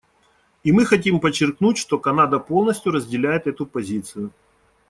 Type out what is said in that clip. И мы хотим подчеркнуть, что Канада полностью разделяет эту позицию.